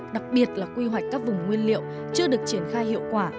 đặc biệt là quy hoạch các vùng nguyên liệu chưa được triển khai hiệu quả